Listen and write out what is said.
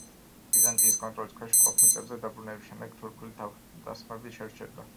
ბიზანტიის კონტროლის ქვეშ მყოფ მიწებზე დაბრუნების შემდეგ თურქული თავდასხმები შეჩერდა.